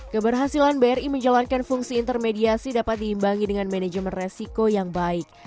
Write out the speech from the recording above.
keberhasilan bri menjalankan fungsi intermediasi dapat diimbangi dengan manajemen resiko yang baik